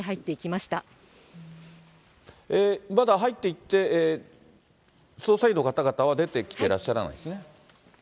まだ入っていって、捜査員の方々は出てきてらっしゃらないんですね。